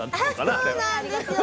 あそうなんですよ。